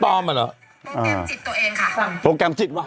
พิ้นเงินรอไปอย่างงี้